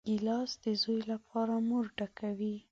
ګیلاس د زوی لپاره مور ډکوي.